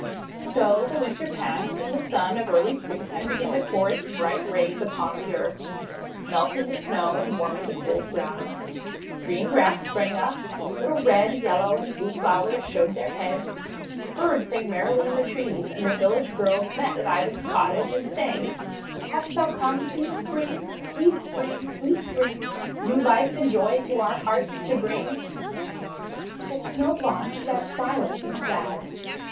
So the Winter passed and the Sun of early Springtime began to pour its bright rays upon the earth, melting the Snow and warming the cold ground. Green grass sprang up; little red, yellow, and blue flowers showed their heads; birds sang merrily in the trees, and the village girls met at Ivan's cottage and sang: — "Hast thou come, Sweet Spring! Sweet Spring! Sweet Spring! New life and joy To our hearts to bring!" But Snow Blanche sat silent and sad.